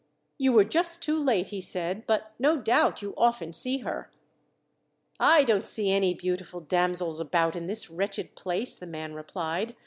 "You were just too late," he said, "but no doubt you often see her." "I don't see any beautiful damsels about in this wretched place," the man replied.